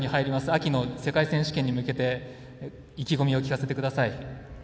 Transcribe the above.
秋の世界選手権に向けて意気込みを教えてください。